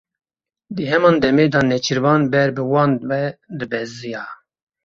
Di heman demê de nêçîrvan ber bi wan ve dibeziya.